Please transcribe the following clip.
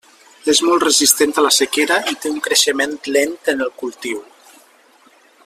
És molt resistent a la sequera i té un creixement lent en el cultiu.